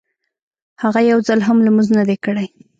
هغه يو ځل هم لمونځ نه دی کړی.